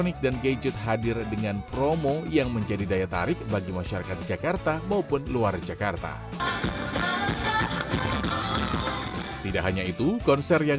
bisa jadi latar yang konservasi ketika bisa membaginya milikwenzi seperti di eigene org